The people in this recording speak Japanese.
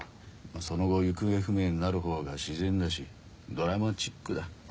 その後行方不明になるほうが自然だしドラマチックだ。